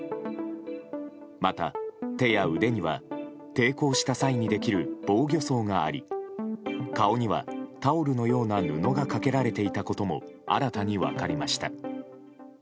また、手や腕には抵抗した際にできる防御創があり顔にはタオルのような布がかけられていたことも新たに分かりました。